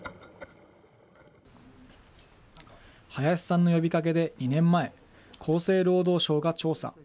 林さんの呼びかけで２年前、厚生労働省が調査。